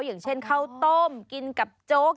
อย่างเช่นข้าวต้มกินกับโจ๊ก